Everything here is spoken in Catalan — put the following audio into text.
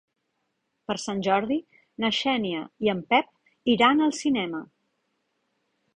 Per Sant Jordi na Xènia i en Pep iran al cinema.